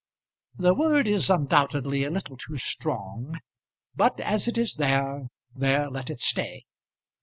The word is undoubtedly a little too strong, but as it is there, there let it stay.